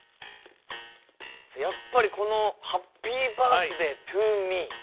やっぱりこの「ハッピーバースデートゥーミー」。